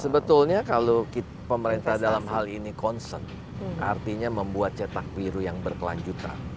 sebetulnya kalau pemerintah dalam hal ini concern artinya membuat cetak biru yang berkelanjutan